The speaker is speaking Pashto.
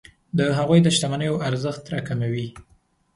د هغوی د شتمنیو ارزښت راکموي.